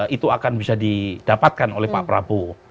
itu akan bisa didapatkan oleh pak prabowo